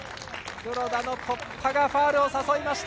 黒田の突破がファウルを誘いました。